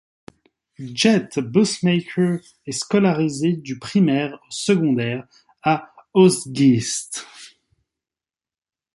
Jet Bussemaker est scolarisée du primaire au secondaire à Oegstgeest.